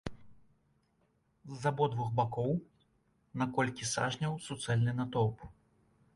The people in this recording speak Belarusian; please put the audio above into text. З абодвух бакоў на колькі сажняў суцэльны натоўп.